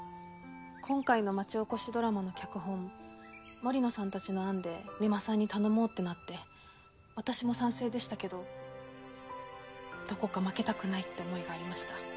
今回の町おこしドラマの脚本森野さんたちの案で三馬さんに頼もうってなって私も賛成でしたけどどこか負けたくないって思いがありました。